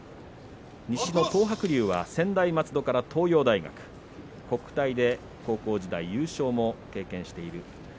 西の東白龍は専大松戸から東洋大学国体や高校時代に優勝も経験しています。